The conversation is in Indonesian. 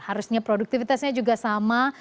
harusnya produktifitasnya juga sama